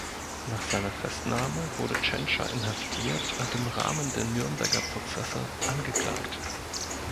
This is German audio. Nach seiner Festnahme wurde Tschentscher inhaftiert und im Rahmen der Nürnberger Prozesse angeklagt.